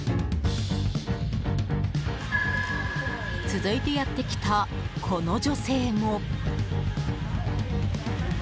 続いてやってきたこの女性も。